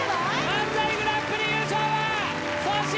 漫才グランプリ優勝は粗品